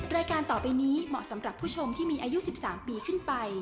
รายการต่อไปนี้เหมาะสำหรับผู้ชมที่มีอายุ๑๓ปีขึ้นไป